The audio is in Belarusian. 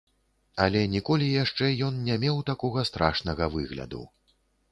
Але ніколі яшчэ ён не меў такога страшнага выгляду.